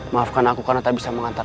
maafkan aku karena tak bisa mengantar